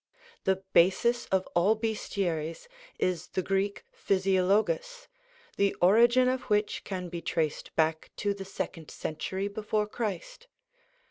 The basis of all Bestiaries is the Greek Physiologus, the origin of which can be traced back to the second century before Christ.